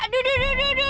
aduh duh duh duh duh